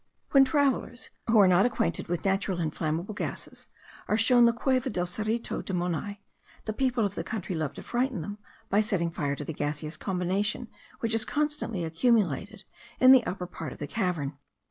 When travellers, who are not acquainted with natural inflammable gases, are shown the Cueva del Serrito de Monai, the people of the country love to frighten them by setting fire to the gaseous combination which is constantly accumulated in the upper part of the cavern.